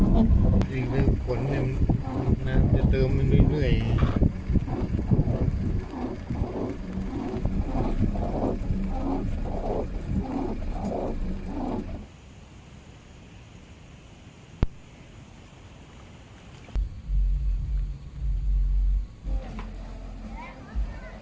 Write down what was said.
รอบที่ฟุกั้มมีความขึ้นกลับกัน